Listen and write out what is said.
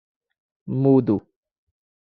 Mudo.